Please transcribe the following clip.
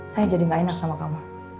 saya jadi gak enak sama kamu